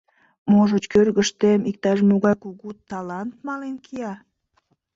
Можыч, кӧргыштем иктаж-могай кугу талант мален кия.